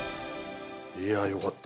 いやよかった。